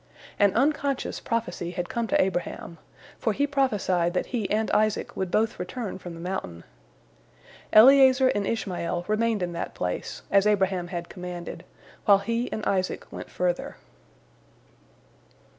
" An unconscious prophecy had come to Abraham, for he prophesied that he and Isaac would both return from the mountain. Eliezer and Ishmael remained in that place, as Abraham had commanded, while he and Isaac went further.